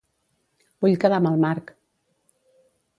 Vull quedar amb el Marc.